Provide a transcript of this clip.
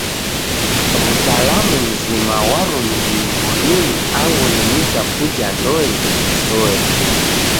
W'utalamu mzima ghwarumirie w'orinyi angu ni nicha kuja ndoe isesoe.